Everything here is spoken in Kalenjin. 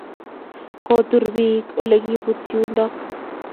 kotur piik ole kipute yundok